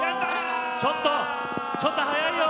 ちょっとちょっと早いよ！